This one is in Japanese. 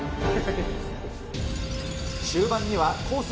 中盤には、コース